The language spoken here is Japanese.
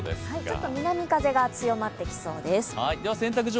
ちょっと南風が強まってきそうです。